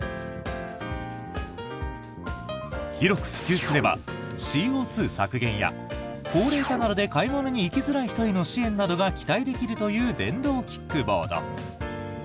広く普及すればＣＯ２削減や高齢化などで買い物に行きづらい人への支援などが期待できるという電動キックボード。